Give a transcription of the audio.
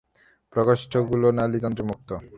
প্রকোষ্ঠগুলো নালীতন্ত্রে মুক্ত।